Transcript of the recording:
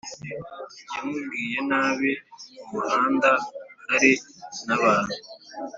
Yamubwiye nabi mu muhanda hari nabanu